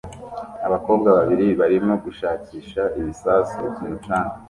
Abakobwa babiri barimo gushakisha ibisasu ku mucanga